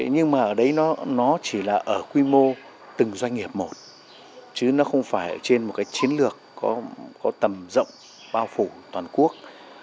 nhưng mà ở đấy nó chỉ là ở quy mô từng doanh nghiệp một chứ nó không phải ở trên một cái chiến lược có tầm rộng bao phủ toàn quốc